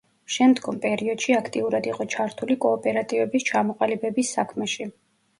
შემდგომ პერიოდში აქტიურად იყო ჩართული კოოპერატივების ჩამოყალიბების საქმეში.